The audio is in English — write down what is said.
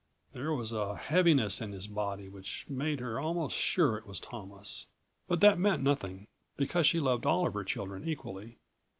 There was a heaviness in his body which made her almost sure it was Thomas. But that meant nothing, because she loved all of her children equally.